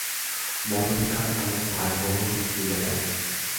মনোবিকার এমন ভয়াবহ রূপ নিল কেন?